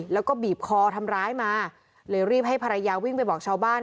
แล้วก็บีบคอทำร้ายมาเลยรีบให้ภรรยาวิ่งไปบอกชาวบ้าน